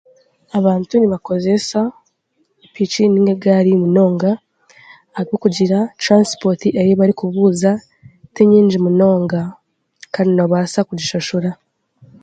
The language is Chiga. Abantu nibakozeesa piki n'egaari munonga ahabwokugira transport ei barikubuuza ti nyingi munonga kandi noobaasa kugishashura.